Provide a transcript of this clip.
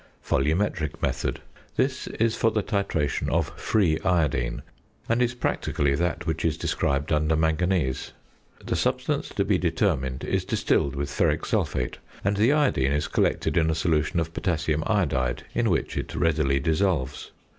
VOLUMETRIC METHOD. This is for the titration of free iodine, and is practically that which is described under Manganese. The substance to be determined is distilled with ferric sulphate, and the iodine is collected in a solution of potassium iodide, in which it readily dissolves.